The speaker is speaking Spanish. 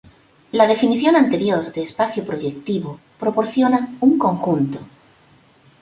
La definición anterior de espacio proyectivo proporciona un conjunto.